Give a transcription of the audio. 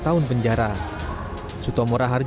jangan lupa untuk berlangganan dan berlangganan